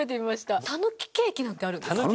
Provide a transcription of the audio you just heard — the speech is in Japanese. たぬきケーキなんてあるんですか？